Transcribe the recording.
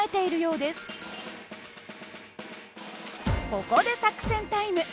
ここで作戦タイム。